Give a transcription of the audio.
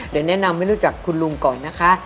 เดี๋ยวแนะนำให้รู้จักคุณลุงก่อนนะคะ